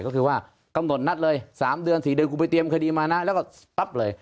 ก็คือว่ากำหนดนัดเลย๓เดือน๔เดือนกูไปเตรียมคดีมานะแล้วก็ปั๊บเลย